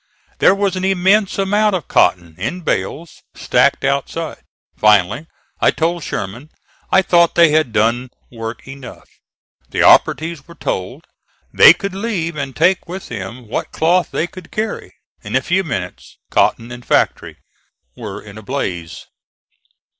There was an immense amount of cotton, in bales, stacked outside. Finally I told Sherman I thought they had done work enough. The operatives were told they could leave and take with them what cloth they could carry. In a few minutes cotton and factory were in a blaze.